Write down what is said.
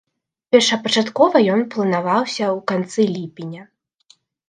Першапачаткова ён планаваўся ў канцы ліпеня.